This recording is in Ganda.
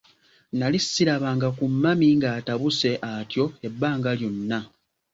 Nnali ssirabanga ku mami ng'atabuse atyo ebbanga lyonna.